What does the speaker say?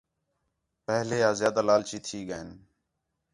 پہلے آ زیادہ لالچی تھی ڳئے ہین